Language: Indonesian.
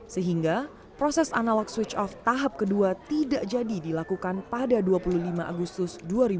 sehingga proses analog switch off tahap kedua tidak jadi dilakukan pada dua puluh lima agustus dua ribu dua puluh